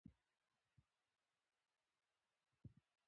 ایوب خان باید د ملالۍ پوښتنه کړې وای.